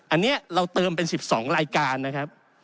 อันนี้เราเติมเป็น๑๒รายการนะครับ